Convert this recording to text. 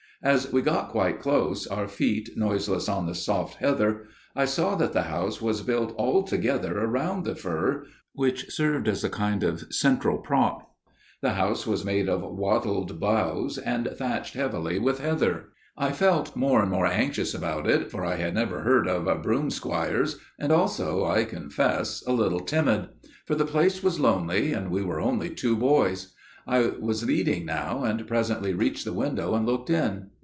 As we got quite close, our feet noiseless on the soft heather, I saw that the house was built altogether round the fir, which served as a kind of central prop. The house was made of wattled boughs, and thatched heavily with heather. "I felt more and more anxious about it, for I had never heard of 'broomsquires,' and also, I confess, a little timid; for the place was lonely, and we were only two boys. I was leading now, and presently reached the window and looked in.